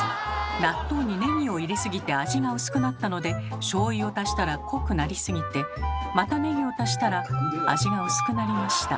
納豆にネギを入れすぎて味が薄くなったのでしょうゆを足したら濃くなりすぎてまたネギを足したら味が薄くなりました。